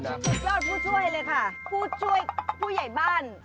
สุดยอดผู้ช่วยเลยค่ะผู้ช่วยผู้ใหญ่บ้าน